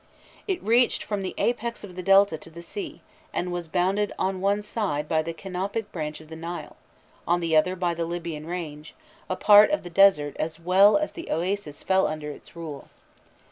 It reached nearly from the apex of the Delta to the sea, and was bounded on one side by the Canopic branch of the Nile, on the other by the Libyan range; a part of the desert as well as the Oases fell under its rule.